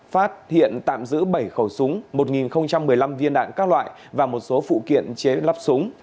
phát hiện tạm giữ bảy khẩu súng một một mươi năm viên đạn các loại và một số phụ kiện chế lắp súng